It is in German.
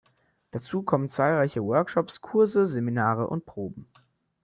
Dazu kommen zahlreiche Workshops, Kurse, Seminare und Proben.